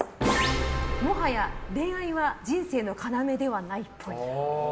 もはや恋愛は人生の要ではないっぽい。